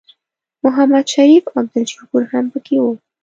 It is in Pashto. محمد شریف او عبدالشکور هم پکې وو.